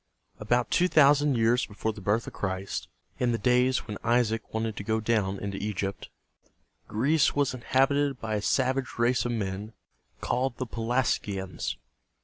About two thousand years before the birth of Christ, in the days when Isaac wanted to go down into Egypt, Greece was inhabited by a savage race of men called the Pe las´gi ans.